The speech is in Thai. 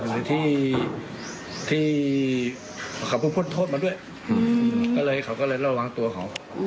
อยู่ในที่เขาพูดโทษมาด้วยก็เลยเขาก็ตอบร่วมตัวเขา